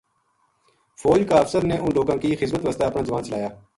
فوج کا افسر نے انھ لوکاں کی خذمت واسطے اپنا جوان چلایا